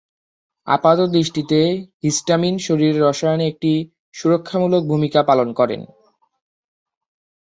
আপাতদৃষ্টিতে হিস্টামিন শরীরের রসায়নে একটি সুরক্ষামূলক ভূমিকা পালন করেন।